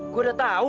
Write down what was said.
gue udah tahu